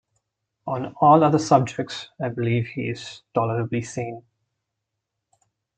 On all other subjects I believe he is tolerably sane.